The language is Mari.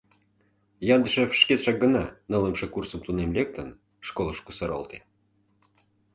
Яндышев шкетшак гына, нылымше курсым тунем лектын, школыш кусаралте.